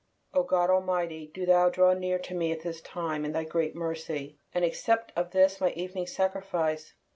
O God Almighty, do Thou draw near to me at this time in Thy great mercy, and accept of this my Evening Sacrifice!